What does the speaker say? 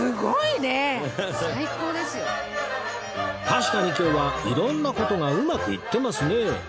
確かに今日は色んな事がうまくいってますね